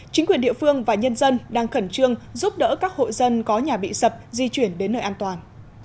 chính quyền địa phương và nhân dân đang khẩn trương giúp đỡ các hội dân có nhà bị sập di chuyển đến nơi an toàn